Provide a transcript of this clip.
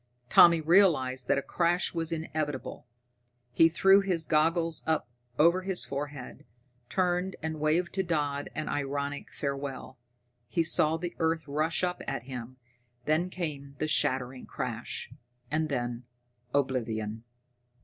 Tommy realized that a crash was inevitable. He threw his goggles up over his forehead, turned and waved to Dodd in ironic farewell. He saw the earth rush up at him then came the shattering crash, and then oblivion!